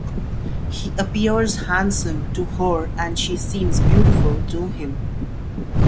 He appears handsome to her and she seems beautiful to him.